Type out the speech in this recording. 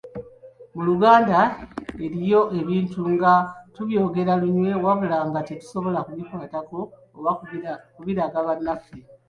Mu Luganda eriyo ebintu nga tubyogera lunye wabula nga tetusobola kubikwatako oba okubiraga bannaffe